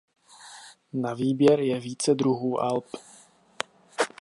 Na výběr je více druhů alb.